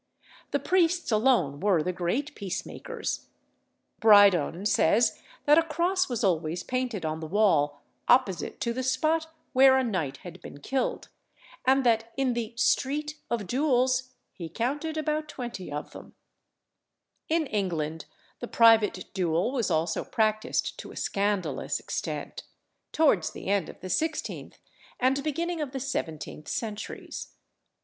The priests alone were the great peacemakers. Brydone says, that a cross was always painted on the wall opposite to the spot where a knight had been killed, and that in the "street of duels" he counted about twenty of them. Brydone's Tour in Malta, 1772. In England the private duel was also practised to a scandalous extent, towards the end of the sixteenth and beginning of the seventeenth centuries.